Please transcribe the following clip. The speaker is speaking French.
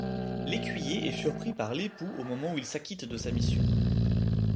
L'écuyer est surpris par l'époux au moment où il s'acquitte de sa mission.